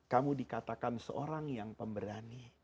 kamu dikatakan seorang yang pemberani